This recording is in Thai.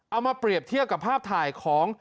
เอามาเปรียบเทียบกับภาพถ่ายของ